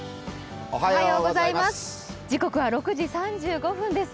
時刻は６時３５分です。